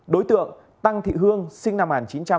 đối tượng tăng thị hương sinh năm một nghìn chín trăm chín mươi ba